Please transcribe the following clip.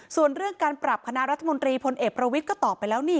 ส่วนเรื่องการปรับคณะรัฐมนตรีพลเอกประวิทย์ก็ตอบไปแล้วนี่